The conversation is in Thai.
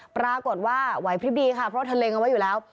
ปรากฏว่าไหวพลิบดีค่ะเพราะเธอเล็งเอาไว้อยู่แล้ว